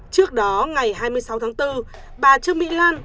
trước đó ngày hai mươi sáu tháng bốn bà trương mỹ lan